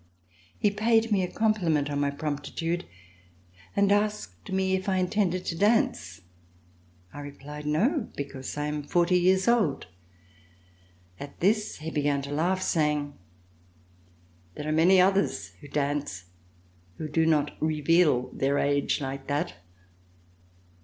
He paid me a compliment on my promptitude and asked me if I intended to dance. I replied: *'No, because I am forty years old." At this he began to laugh, saying: *' There are many others who dance who do not reveal their age like that."